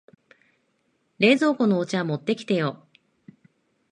冷蔵庫のお茶持ってきてよ。